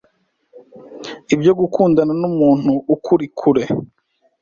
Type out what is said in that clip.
ibyo gukundana n’umuntu ukuri kure